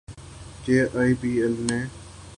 کہ I P L نے